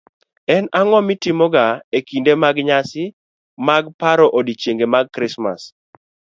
En ang'o mitimoga e kinde mag nyasi mag paro odiechienge mag Krismas?